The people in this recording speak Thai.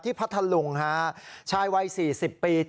พัทธลุงฮะชายวัย๔๐ปี